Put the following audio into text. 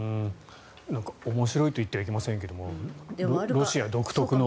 なんか、面白いと言ってはいけないかもしれませんがロシア独特の。